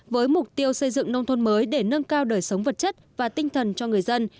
với mục tiêu xây dựng nông thôn mới để nâng cao đời sống vật chất và tinh thần cho người dân